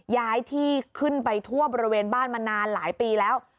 ย้ายที่ขึ้นไปทั่วบริเวณบ้านมานานหลายปีแล้ว